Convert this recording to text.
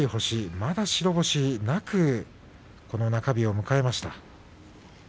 まだ白星なく中日を迎えました。